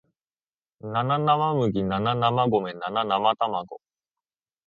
七生麦七生米七生卵